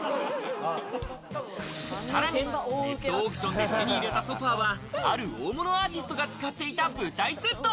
さらに、ネットオークションで手に入れたソファはある大物アーティストが使っていた舞台セット。